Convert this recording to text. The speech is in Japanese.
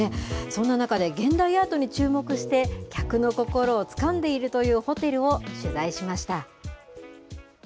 そんな中で、現代アートに注目して、客の心をつかんでいるというホテルを取材しました。